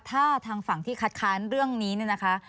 ถ้าทางฝั่งที่คัดค้านเรื่องนี้เนี่ยนะคะ